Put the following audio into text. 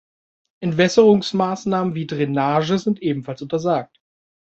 Entwässerungsmaßnahmen wie Drainage sind ebenfalls untersagt.